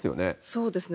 そうですね。